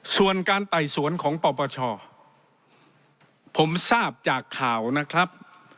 ส่วนการไต่สวนของปปชผมทราบจากข่าวนะครับ